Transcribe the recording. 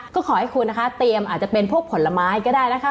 ก็ขอให้คุณนะคะเตรียมอาจจะเป็นพวกผลไม้ก็ได้นะคะ